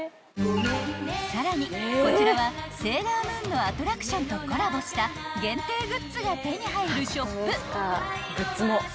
［さらにこちらは『セーラームーン』のアトラクションとコラボした限定グッズが手に入るショップ］